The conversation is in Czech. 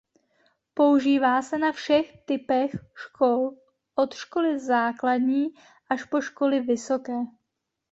Používá se na všech typech škol od školy základní až po školy vysoké.